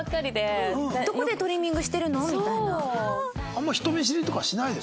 「どこでトリミングしてるの？」みたいな。